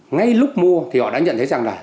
ngay lúc mua thì họ đã nhận thấy rằng là